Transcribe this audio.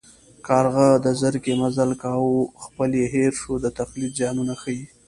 کارغه د زرکې مزل کاوه خپل یې هېر شو د تقلید زیانونه ښيي